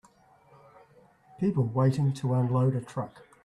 People waiting to unload a truck.